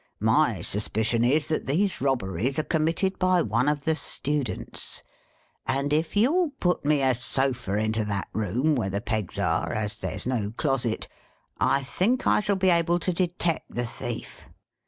My suspicion is, that these robberies are committed by one of the students ; and if you '11 put me 580 HOUSEHOLD WOEDS. [Conducted If a sofa into that room where the pegs are — as there 's no closet — I think I shall be able to detect the thief.